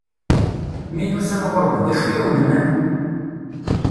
Mi n-usan ɣur-wen, d acu i awen-nnan?